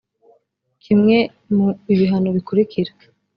kimwe mu ibihano bikurikira